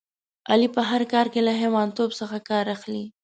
علي په هر کار کې له حیوانتوب څخه کار اخلي.